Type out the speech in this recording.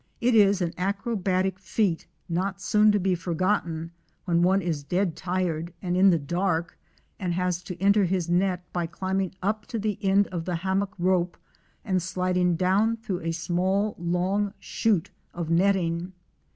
It is an acrobatic feat not soon to be forgotten, when one is dead tired and in the dark, and has to enter his net by climbing up to the end of the hammock rope and sliding down through a small, long shute of netting!